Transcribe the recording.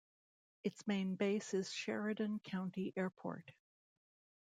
Its main base is Sheridan County Airport.